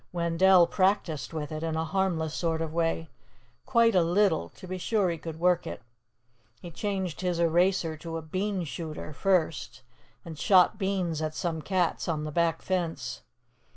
Wendell practiced with it, in a harmless sort of way, quite a little, to be sure he could work it. He changed his eraser to a bean shooter, first, and shot beans at some cats on the back fence.